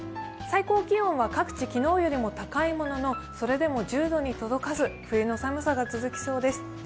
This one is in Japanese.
最高気温は各地、昨日よりは高いもののそれでも１０度に届かず、冬の寒さが続きそうです。